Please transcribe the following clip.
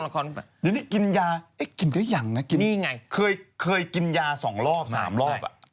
เดี๋ยวนี่กินยาเอ๊ะกินเยอะอย่างนะนี่ไงเคยกินยาสองรอบสามรอบ